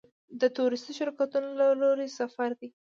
د تورېستي شرکتونو له لوري سفر دی.